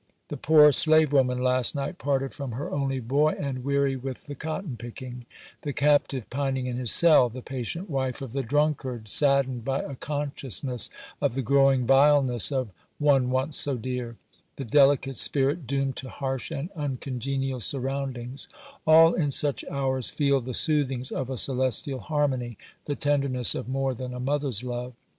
The poor slave woman last night parted from her only boy, and weary with the cotton picking; the captive pining in his cell; the patient wife of the drunkard, saddened by a consciousness of the growing vileness of one once so dear; the delicate spirit doomed to harsh and uncongenial surroundings;—all in such hours feel the soothings of a celestial harmony, the tenderness of more than a mother's love.